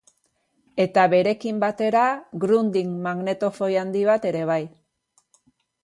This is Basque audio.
Eta berekin batera Grundig magnetofoi handi bat ere bai.